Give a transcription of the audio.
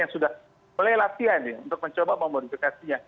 yang sudah mulai latihan ya untuk mencoba memodifikasinya